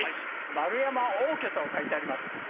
円山応挙と書いてあります。